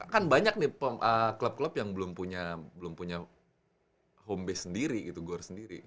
kan banyak nih klub klub yang belum punya home base sendiri gitu gore sendiri